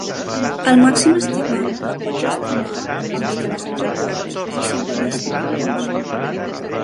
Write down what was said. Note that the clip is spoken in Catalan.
El màxim estimat que pot gestionar amb les instal·lacions actuals és de cinquanta-cinc milions.